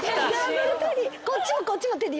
こっちもこっちもテディ。